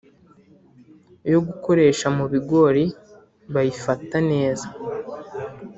yo gukoresha mu bigori bayifata neza